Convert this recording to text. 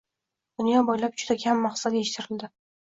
– dunyo bo‘ylab juda kam mahsulot yetishtirildi.